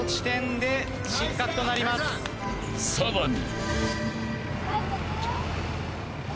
［さらに］